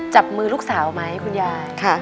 จับมือลูกสาวไหมคุณยาย